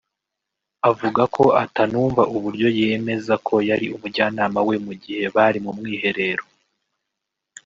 avuga ko atanumva uburyo yemeza ko yari umujyanama we mu gihe bari mu mwiherero